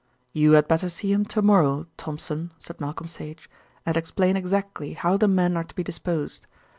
"You had better see him to morrow, Thompson," said Malcolm Sage, "and explain exactly how the men are to be disposed.